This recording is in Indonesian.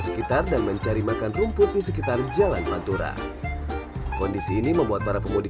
sekitar dan mencari makan rumput di sekitar jalan pantura kondisi ini membuat para pemudik